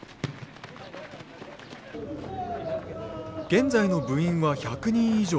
現在の部員は１００人以上。